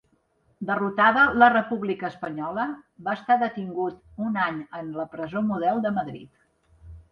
Derrotada la República Espanyola, va estar detingut un any en la Presó Model de Madrid.